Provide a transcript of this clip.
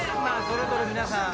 それぞれ皆さん。